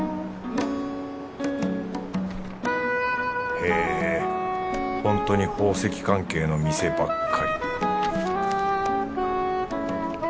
へぇホントに宝石関係の店ばっかり